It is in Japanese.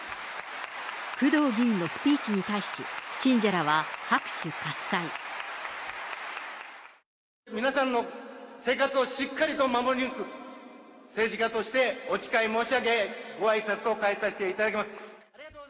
工藤議員のスピーチに対し、皆さんの生活をしっかりと守り抜く、政治家としてお誓い申し上げ、ごあいさつと代えさせていただきます。